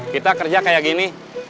kita kerja kayak gini